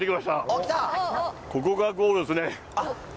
おっ、ここがゴールですね。